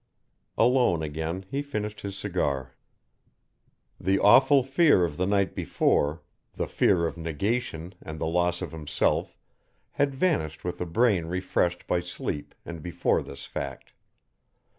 Alone again he finished his cigar. The awful fear of the night before, the fear of negation and the loss of himself had vanished with a brain refreshed by sleep and before this fact.